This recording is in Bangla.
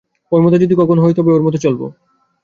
ওঁর মতো যদি কখনো হই তবে ওঁর মতো চলব।